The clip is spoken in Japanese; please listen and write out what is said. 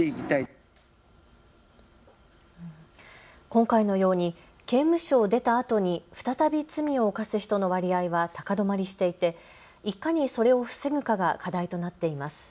今回のように刑務所を出たあとに再び罪を犯す人の割合は高止まりしていて、いかにそれを防ぐかが課題となっています。